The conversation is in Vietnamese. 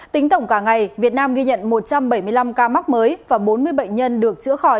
tính tổng cả ngày việt nam ghi nhận một trăm bảy mươi năm ca mắc mới và bốn mươi bệnh nhân được chữa khỏi